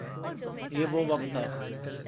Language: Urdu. یہ وہ وقت تھا۔